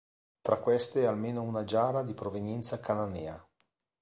Tra queste almeno una giara di provenienza cananea.